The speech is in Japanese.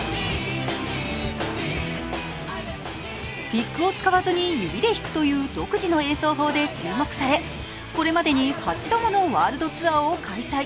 ピックを使わずに指で弾くという独自の演奏法で注目されこれまでに８度ものワールドツアーを開催。